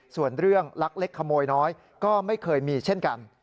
ส่วนเรื่องลักเล็กขโมยน้อยก็ไม่เคยมีเช่นกัน